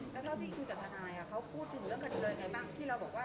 แล้วเท่าที่คุยกับทนายเขาพูดถึงเรื่องคดีเลยไงบ้างที่เราบอกว่า